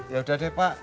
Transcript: yaudah deh pak